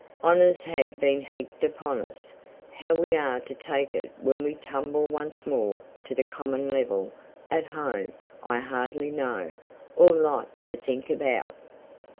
Honours had been heaped upon us. How we are to take it when we tumble once more to the common level at Home I hardly know or like to think about.